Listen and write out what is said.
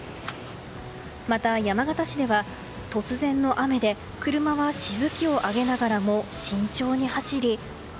また山形市では、突然の雨で車はしぶきを上げながらも慎重に走り。